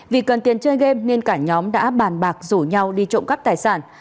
vì cần tiền chơi game nên cả nhóm đã bàn bạc rủ nhau đi trộm cắp tài sản